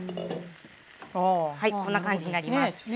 こんな感じになります。